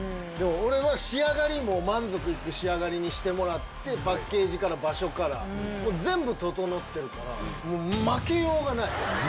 でも俺は、仕上がりも満足いく仕上がりにしてもらって、パッケージから場所から、もう全部整ってるから、負けようがない。